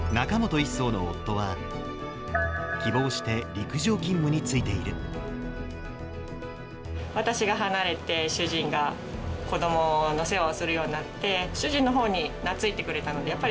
１曹の夫は、希望して陸私が離れて、主人が子どもの世話をするようになって、主人のほうに懐いてくれたので、やっぱ